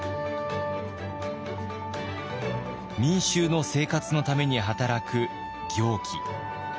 民衆の生活のために働く行基。